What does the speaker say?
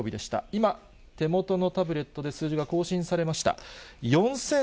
今、手元のタブレットで数字が更新されました。